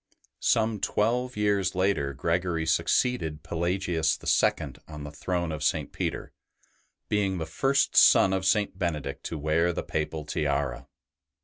Some twelve years later Gregory succeeded Pelagius IL on the throne of St. Peter, being the first son of St. Benedict to wear the Papal tiara.